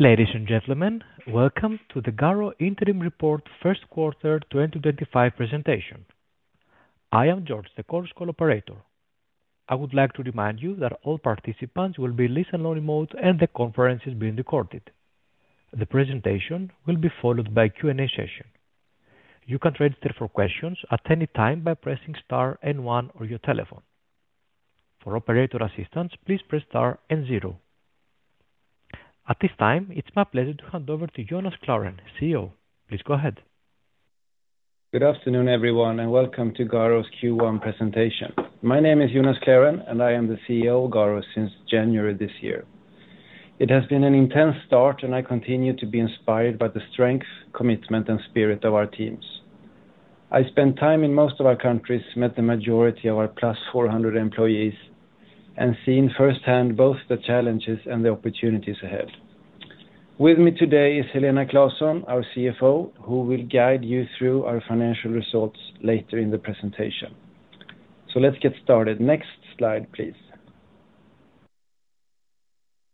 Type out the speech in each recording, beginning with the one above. Ladies and gentlemen, welcome to the Garo Interim Report First Quarter 2025 presentation. I am George, the conference call operator. I would like to remind you that all participants will be listened on remote, and the conference is being recorded. The presentation will be followed by a Q&A session. You can register for questions at any time by pressing star and one on your telephone. For operator assistance, please press star and zero. At this time, it's my pleasure to hand over to Jonas Klarén, CEO. Please go ahead. Good afternoon, everyone, and welcome to Garo's Q1 presentation. My name is Jonas Klarén, and I am the CEO of Garo since January this year. It has been an intense start, and I continue to be inspired by the strength, commitment, and spirit of our teams. I spent time in most of our countries, met the majority of our plus 400 employees, and seen firsthand both the challenges and the opportunities ahead. With me today is Helena Claesson, our CFO, who will guide you through our financial results later in the presentation. Let's get started. Next slide, please.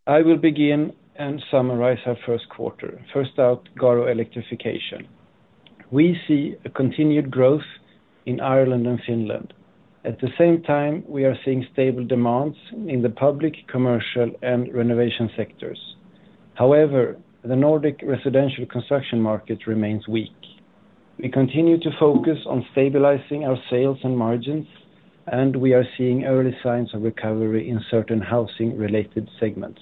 I will begin and summarize our first quarter. First out, Garo Electrification. We see a continued growth in Ireland and Finland. At the same time, we are seeing stable demands in the public, commercial, and renovation sectors. However, the Nordic residential construction market remains weak. We continue to focus on stabilizing our sales and margins, and we are seeing early signs of recovery in certain housing-related segments.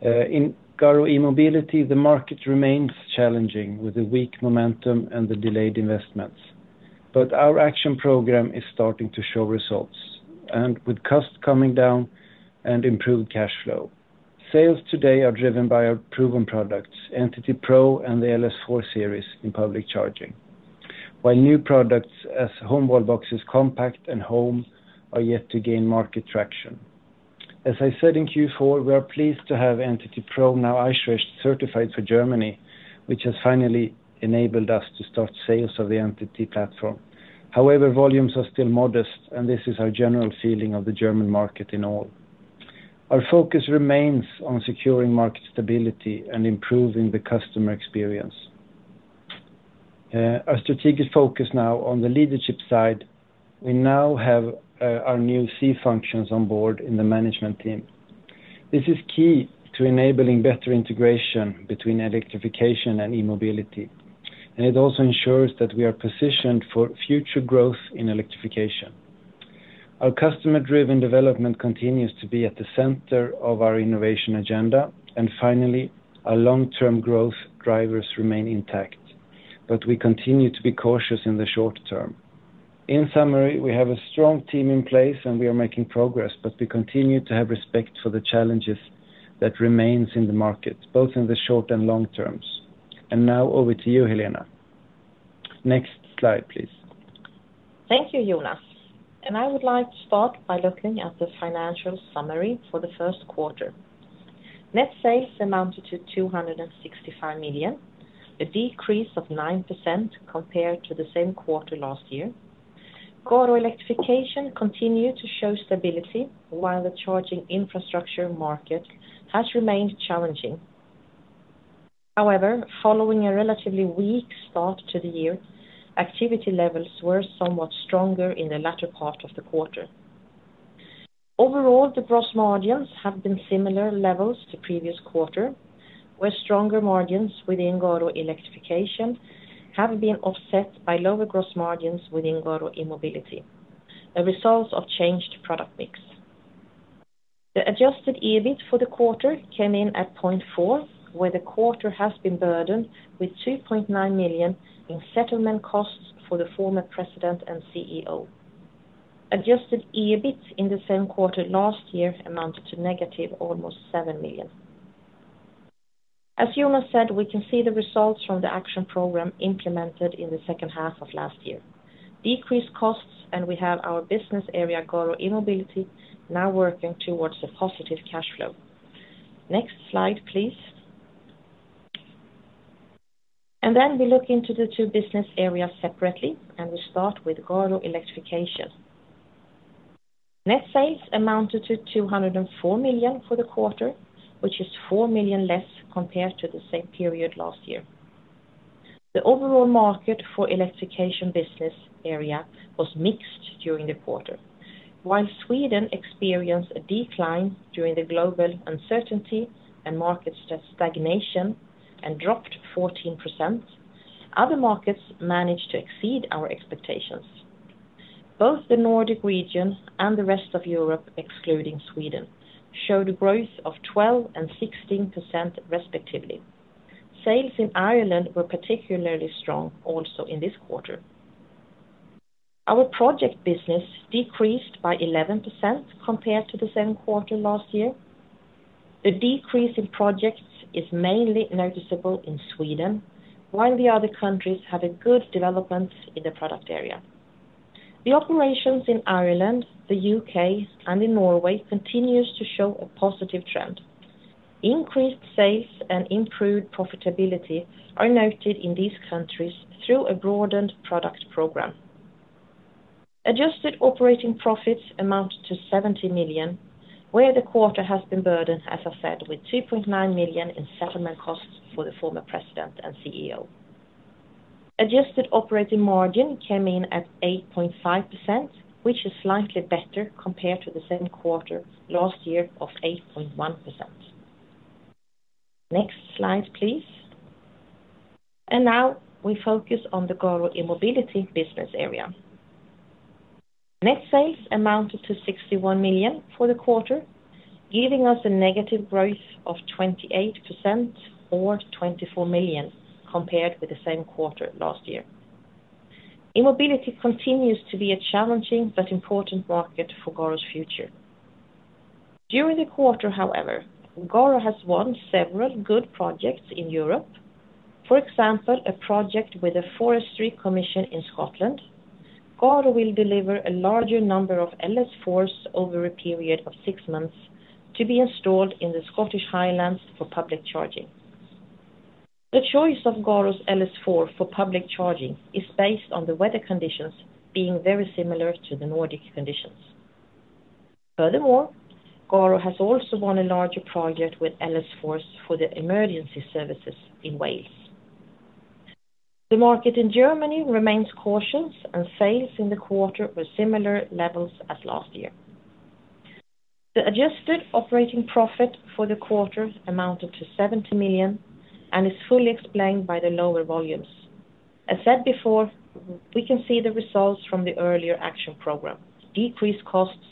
In Garo e-mobility, the market remains challenging with the weak momentum and the delayed investments. Our action program is starting to show results, and with costs coming down and improved cash flow, sales today are driven by our proven products, Entity Pro and the LS4 series in public charging, while new products as home wallboxes, Compact, and Home are yet to gain market traction. As I said in Q4, we are pleased to have Entity Pro now iShare certified for Germany, which has finally enabled us to start sales of the Entity platform. However, volumes are still modest, and this is our general feeling of the German market in all. Our focus remains on securing market stability and improving the customer experience. Our strategic focus now on the leadership side. We now have our new C functions on board in the management team. This is key to enabling better integration between electrification and e-mobility, and it also ensures that we are positioned for future growth in electrification. Our customer-driven development continues to be at the center of our innovation agenda, and finally, our long-term growth drivers remain intact, but we continue to be cautious in the short term. In summary, we have a strong team in place, and we are making progress, but we continue to have respect for the challenges that remain in the market, both in the short and long terms. Now, over to you, Helena. Next slide, please. Thank you, Jonas. I would like to start by looking at the financial summary for the first quarter. Net sales amounted to 265 million, a decrease of 9% compared to the same quarter last year. Garo Electrification continued to show stability, while the charging infrastructure market has remained challenging. However, following a relatively weak start to the year, activity levels were somewhat stronger in the latter part of the quarter. Overall, the gross margins have been at similar levels to the previous quarter, where stronger margins within Garo Electrification have been offset by lower gross margins within Garo E-mobility, a result of changed product mix. The adjusted EBIT for the quarter came in at 0.4 million, where the quarter has been burdened with 2.9 million in settlement costs for the former President and CEO. Adjusted EBIT in the same quarter last year amounted to negative almost 7 million. As Jonas said, we can see the results from the action program implemented in the second half of last year. Decreased costs, and we have our business area, Garo E-mobility, now working towards a positive cash flow. Next slide, please. Then we look into the two business areas separately, and we start with Garo Electrification. Net sales amounted to 204 million for the quarter, which is 4 million less compared to the same period last year. The overall market for Electrification business area was mixed during the quarter. While Sweden experienced a decline during the global uncertainty and market stagnation and dropped 14%, other markets managed to exceed our expectations. Both the Nordic region and the rest of Europe, excluding Sweden, showed a growth of 12% and 16% respectively. Sales in Ireland were particularly strong also in this quarter. Our project business decreased by 11% compared to the same quarter last year. The decrease in projects is mainly noticeable in Sweden, while the other countries have a good development in the product area. The operations in Ireland, the U.K., and in Norway continue to show a positive trend. Increased sales and improved profitability are noted in these countries through a broadened product program. Adjusted operating profits amount to 70 million, where the quarter has been burdened, as I said, with 2.9 million in settlement costs for the former president and CEO. Adjusted operating margin came in at 8.5%, which is slightly better compared to the same quarter last year of 8.1%. Next slide, please. Now we focus on the Garo e-mobility business area. Net sales amounted to 61 million for the quarter, giving us a negative growth of 28% or 24 million compared with the same quarter last year. E-mobility continues to be a challenging but important market for Garo's future. During the quarter, however, Garo has won several good projects in Europe. For example, a project with a forestry commission in Scotland. Garo will deliver a larger number of LS4s over a period of six months to be installed in the Scottish Highlands for public charging. The choice of Garo's LS4 for public charging is based on the weather conditions being very similar to the Nordic conditions. Furthermore, Garo has also won a larger project with LS4s for the emergency services in Wales. The market in Germany remains cautious, and sales in the quarter were similar levels as last year. The adjusted operating profit for the quarter amounted to 70 million and is fully explained by the lower volumes. As said before, we can see the results from the earlier action program, decreased costs,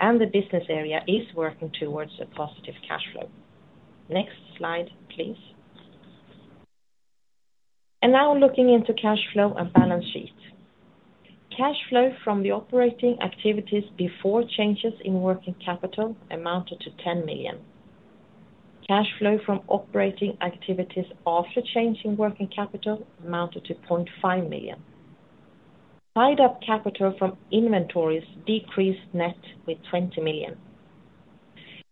and the business area is working towards a positive cash flow. Next slide, please. Now looking into cash flow and balance sheet. Cash flow from the operating activities before changes in working capital amounted to 10 million. Cash flow from operating activities after change in working capital amounted to 0.5 million. Tied-up capital from inventories decreased net with 20 million.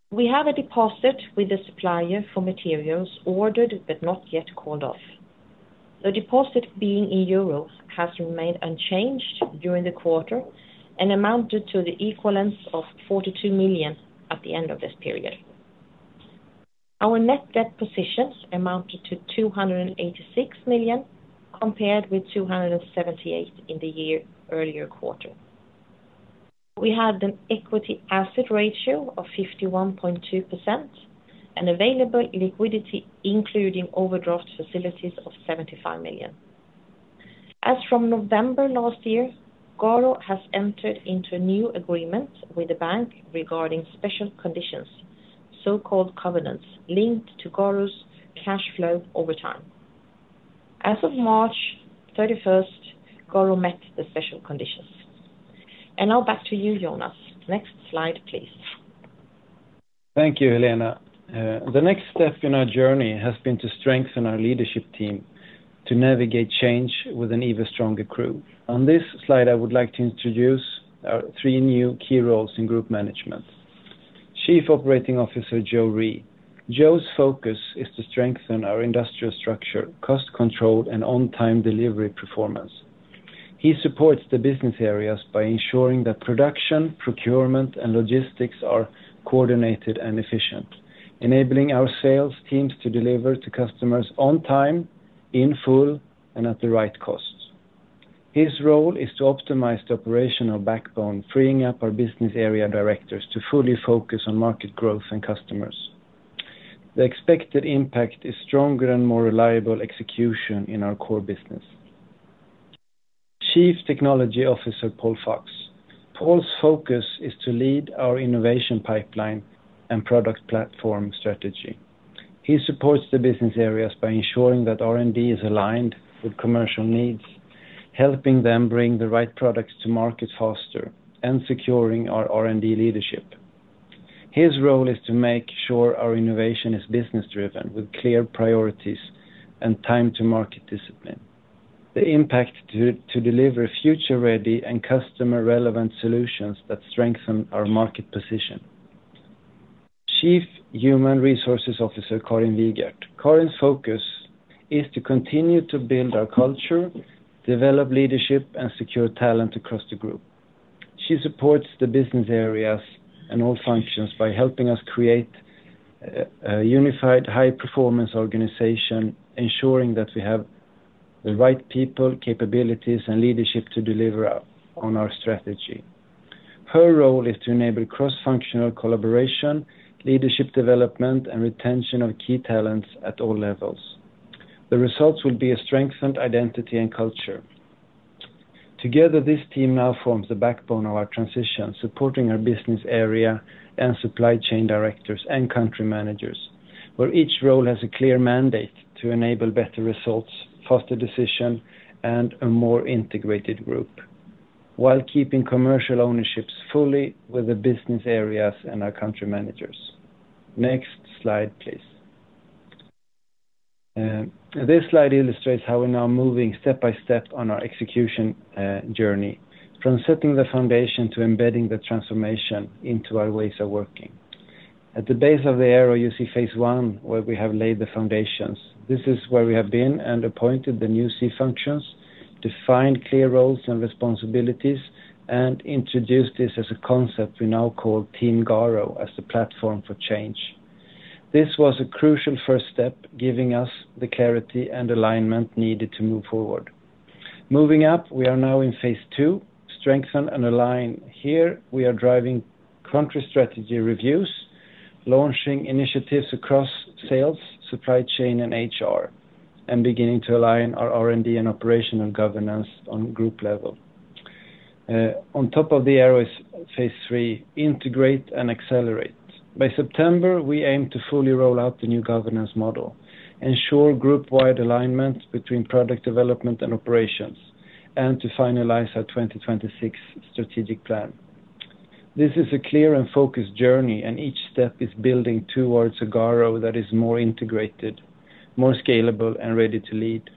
We have a deposit with the supplier for materials ordered but not yet called off. The deposit being in EUR has remained unchanged during the quarter and amounted to the equivalence of 42 million at the end of this period. Our net debt positions amounted to 286 million compared with 278 million in the year earlier quarter. We had an equity-asset ratio of 51.2% and available liquidity, including overdraft facilities, of 75 million. As from November last year, Garo has entered into a new agreement with the bank regarding special conditions, so-called covenants, linked to Garo's cash flow over time. As of March 31st, Garo met the special conditions. Now back to you, Jonas. Next slide, please. Thank you, Helena. The next step in our journey has been to strengthen our leadership team to navigate change with an even stronger crew. On this slide, I would like to introduce our three new key roles in group management. Chief Operating Officer Joe Ree. Joe's focus is to strengthen our industrial structure, cost control, and on-time delivery performance. He supports the business areas by ensuring that production, procurement, and logistics are coordinated and efficient, enabling our sales teams to deliver to customers on time, in full, and at the right cost. His role is to optimize the operational backbone, freeing up our business area directors to fully focus on market growth and customers. The expected impact is stronger and more reliable execution in our core business. Chief Technology Officer Paul Fox. Paul's focus is to lead our innovation pipeline and product platform strategy. He supports the business areas by ensuring that R&D is aligned with commercial needs, helping them bring the right products to market faster, and securing our R&D leadership. His role is to make sure our innovation is business-driven with clear priorities and time-to-market discipline. The impact is to deliver future-ready and customer-relevant solutions that strengthen our market position. Chief Human Resources Officer Karin Wiegert. Karin's focus is to continue to build our culture, develop leadership, and secure talent across the group. She supports the business areas and all functions by helping us create a unified high-performance organization, ensuring that we have the right people, capabilities, and leadership to deliver on our strategy. Her role is to enable cross-functional collaboration, leadership development, and retention of key talents at all levels. The results will be a strengthened identity and culture. Together, this team now forms the backbone of our transition, supporting our business area and supply chain directors and country managers, where each role has a clear mandate to enable better results, faster decision, and a more integrated group, while keeping commercial ownerships fully with the business areas and our country managers. Next slide, please. This slide illustrates how we're now moving step by step on our execution journey from setting the foundation to embedding the transformation into our ways of working. At the base of the arrow, you see phase one, where we have laid the foundations. This is where we have been and appointed the new C functions, defined clear roles and responsibilities, and introduced this as a concept we now call Team Garo as the platform for change. This was a crucial first step, giving us the clarity and alignment needed to move forward. Moving up, we are now in phase two, strengthen and align. Here, we are driving country strategy reviews, launching initiatives across sales, supply chain, and HR, and beginning to align our R&D and operational governance on group level. On top of the arrow is phase three, integrate and accelerate. By September, we aim to fully roll out the new governance model, ensure group-wide alignment between product development and operations, and to finalize our 2026 strategic plan. This is a clear and focused journey, and each step is building towards a Garo that is more integrated, more scalable, and ready to lead.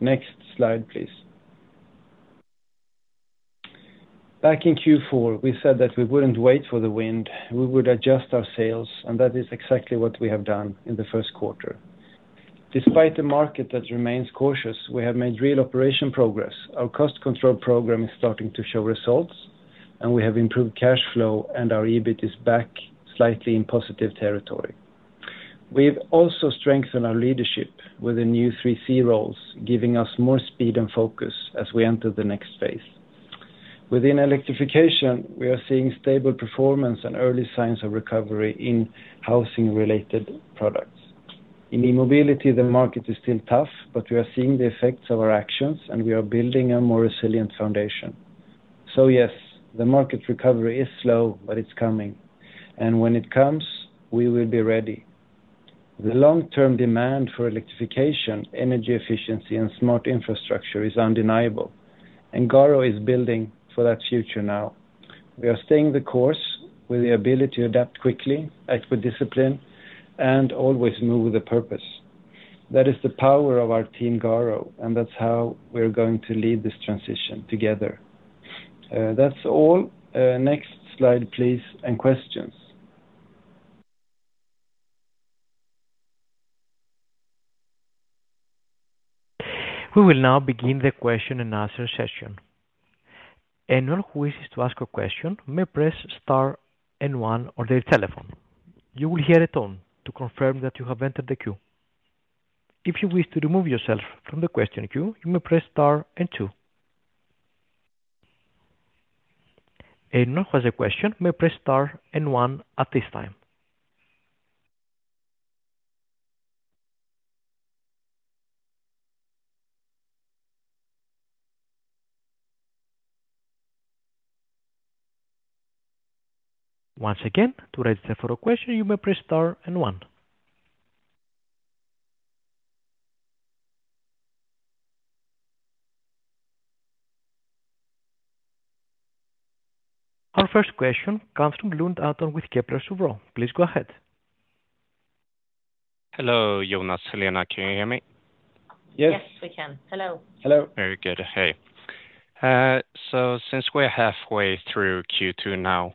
Next slide, please. Back in Q4, we said that we would not wait for the wind. We would adjust our sales, and that is exactly what we have done in the first quarter. Despite the market that remains cautious, we have made real operation progress. Our cost control program is starting to show results, and we have improved cash flow, and our EBIT is back slightly in positive territory. We have also strengthened our leadership with the new three C roles, giving us more speed and focus as we enter the next phase. Within electrification, we are seeing stable performance and early signs of recovery in housing-related products. In e-mobility, the market is still tough, but we are seeing the effects of our actions, and we are building a more resilient foundation. Yes, the market recovery is slow, but it is coming. When it comes, we will be ready. The long-term demand for electrification, energy efficiency, and smart infrastructure is undeniable, and Garo is building for that future now. We are staying the course with the ability to adapt quickly, act with discipline, and always move with a purpose. That is the power of our team Garo, and that's how we're going to lead this transition together. That's all. Next slide, please, and questions. We will now begin the question and answer session. Anyone who wishes to ask a question may press star and one on their telephone. You will hear a tone to confirm that you have entered the queue. If you wish to remove yourself from the question queue, you may press star and two. Anyone who has a question may press star and one at this time. Once again, to register for a question, you may press star and one. Our first question comes from Lund Anton with Kepler Cheuvreux. Please go ahead. Hello, Jonas. Helena, can you hear me? Yes. Yes, we can. Hello. Hello. Very good. Hey. Since we're halfway through Q2 now,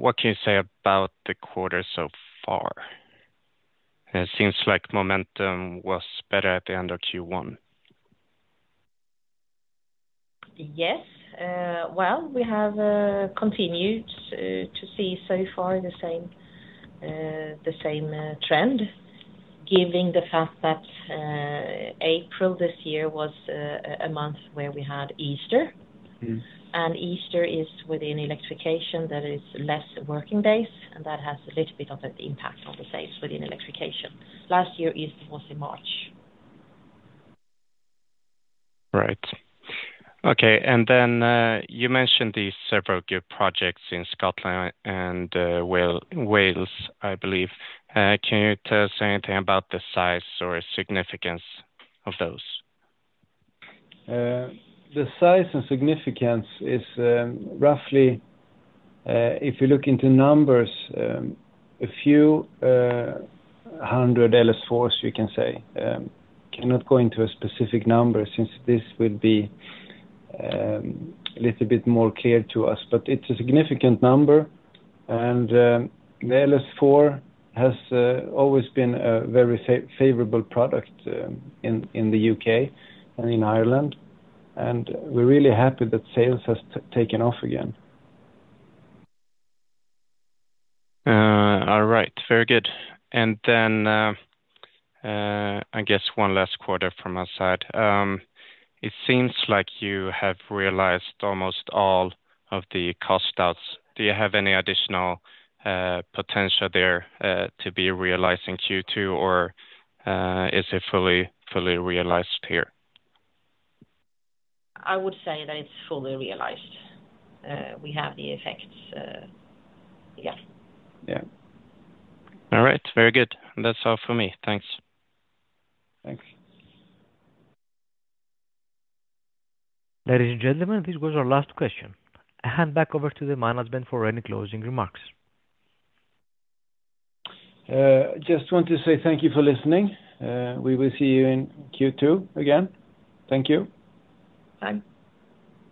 what can you say about the quarter so far? It seems like momentum was better at the end of Q1. Yes. We have continued to see so far the same trend, given the fact that April this year was a month where we had Easter. Easter is within electrification; that is less working days, and that has a little bit of an impact on the sales within electrification. Last year, Easter was in March. Right. Okay. You mentioned these several good projects in Scotland and Wales, I believe. Can you tell us anything about the size or significance of those? The size and significance is roughly, if you look into numbers, a few hundred LS4s, you can say. I cannot go into a specific number since this would be a little bit more clear to us, but it is a significant number. The LS4 has always been a very favorable product in the U.K. and in Ireland. We are really happy that sales have taken off again. All right. Very good. I guess one last quarter from our side. It seems like you have realized almost all of the cost outs. Do you have any additional potential there to be realized in Q2, or is it fully realized here? I would say that it's fully realized. We have the effects. Yeah. Yeah. All right. Very good. That's all for me. Thanks. Thanks. Ladies and gentlemen, this was our last question. I hand back over to the management for any closing remarks. Just want to say thank you for listening. We will see you in Q2 again. Thank you. Fine.